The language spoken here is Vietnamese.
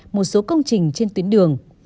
một số công trình trên tuyến đường